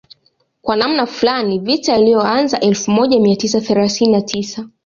Kwa namna fulani vita iliyoanza elfu moja mia tisa thelathini na tisa